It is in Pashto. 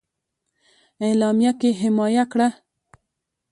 اعلامیه کې حمایه کړه.